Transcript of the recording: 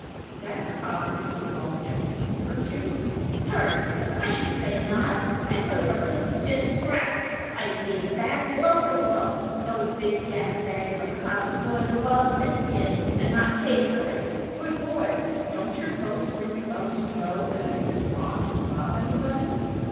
"Did that cop, as you call him, hurt you?" "Hurt!! I should say not!! I put up a good stiff scrap! I paid him back, blow for blow! No big gas bag of a cop is going to wallop this kid and not pay for it!" "But, boy, don't your folks bring you up to know that it is wrong to rob anybody?"